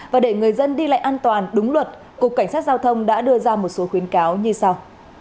và để người dân đi lại an toàn đúng luật cục cảnh sát giao thông đã đưa ra một số khuyến cáo như sau